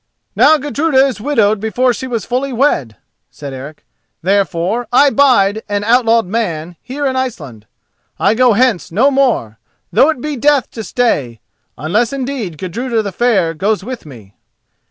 "Now Gudruda is widowed before she was fully wed," said Eric, "therefore I bide an outlawed man here in Iceland. I go hence no more, though it be death to stay, unless indeed Gudruda the Fair goes with me."